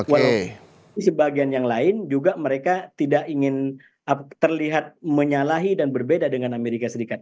walaupun sebagian yang lain juga mereka tidak ingin terlihat menyalahi dan berbeda dengan amerika serikat